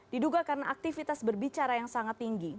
diduga karena aktivitas berbicara yang sangat tinggi